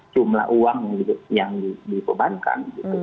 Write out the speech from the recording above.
jumlah uang yang dibebankan